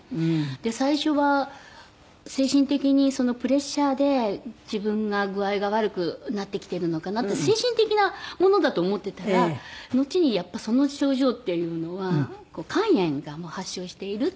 で最初は精神的にプレッシャーで自分が具合が悪くなってきているのかなって精神的なものだと思っていたらのちにやっぱりその症状っていうのは肝炎が発症しているっていう。